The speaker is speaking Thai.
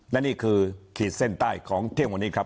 และนี่คือขีดเส้นใต้ของเที่ยงวันนี้ครับ